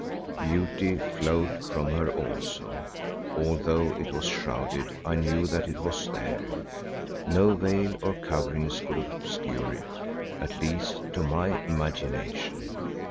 Beauty flowed from her also; although it was shrouded I knew that it was there, no veil or coverings could obscure it—at least, to my imagination.